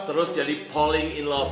terus jadi polling in love